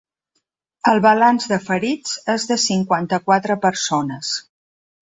El balanç de ferits és de cinquanta-quatre persones.